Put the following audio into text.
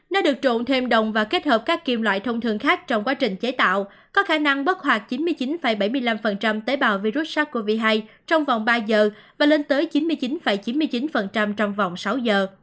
nó được trộn thêm đồng và kết hợp các kim loại thông thường khác trong quá trình chế tạo có khả năng bất hoạt chín mươi chín bảy mươi năm tế bào virus sars cov hai trong vòng ba giờ và lên tới chín mươi chín chín mươi chín trong vòng sáu giờ